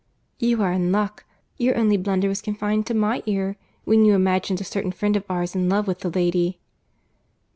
"You are in luck.—Your only blunder was confined to my ear, when you imagined a certain friend of ours in love with the lady."